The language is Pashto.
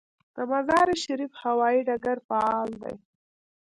د مزار شریف هوايي ډګر فعال دی